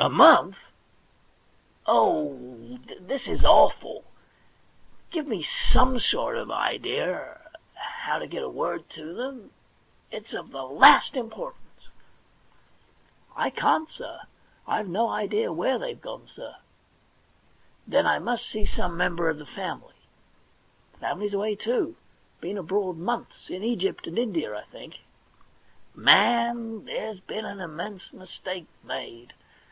* A month ! Oh, this is awful ! Give me some sort of idea of how to get a word to them. It's of the last importance.' *I can't, indeed. I've no idea where they've gone, sir.* * Then I must see some member of the family.' * Family's away too ; been abroad months— in Egypt and India, I think.' * Man, there's been an immense mistake made.